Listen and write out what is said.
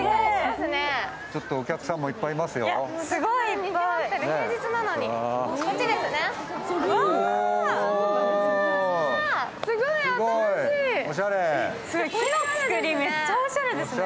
お客さんもいっぱいいますよ。